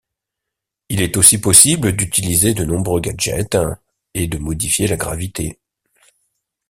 Il est aussi possible d'utiliser de nombreux gadgets et de modifier la gravité.